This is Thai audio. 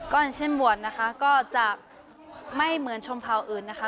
อย่างเช่นบวชนะคะก็จะไม่เหมือนชมเผาอื่นนะคะ